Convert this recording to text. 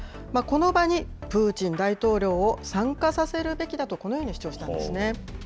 この場にプーチン大統領を参加させるべきだと、このように主張したんですね。